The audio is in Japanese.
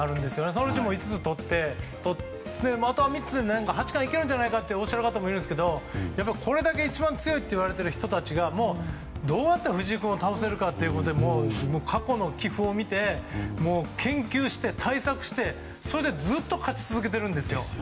そのうち５つをとっていてあと３つで八冠いけるんじゃないかとおっしゃる方もいますが一番強いといわれている人たちがどうやって藤井君を倒せるかって過去の棋譜を見て研究して、対策してずっと勝ち続けているんです。